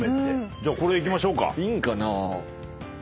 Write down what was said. じゃあこれいきましょうか。